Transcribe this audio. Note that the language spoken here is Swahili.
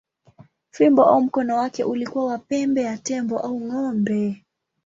Fimbo au mkono wake ulikuwa wa pembe ya tembo au ng’ombe.